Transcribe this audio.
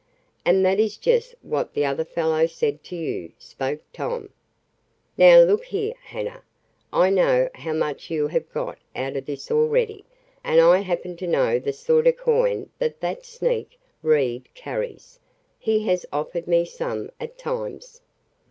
"And that is just what the other fellow said to you," spoke Tom. "Now look here, Hanna. I know how much you have got out of this already, and I happen to know the sort of coin that that sneak, Reed, carries. He has offered me some at times.